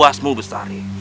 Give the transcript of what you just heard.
ada apa nyai